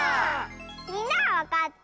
みんなはわかった？